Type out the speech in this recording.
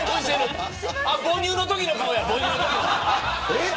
母乳のときの顔や。